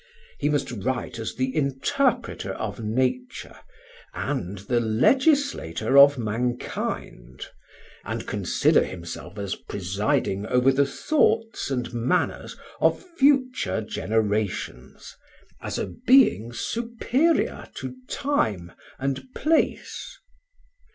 He must write as the interpreter of nature and the legislator of mankind, and consider himself as presiding over the thoughts and manners of future generations, as a being superior to time and place.